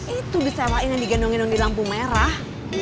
itu disewain yang digendong gendong di lampu merah